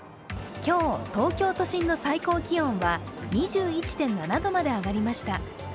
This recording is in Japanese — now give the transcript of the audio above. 今日、東京都心の最高気温は２１．７度まで上がりました。